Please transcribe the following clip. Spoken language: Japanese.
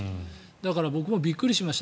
だから僕もびっくりしました。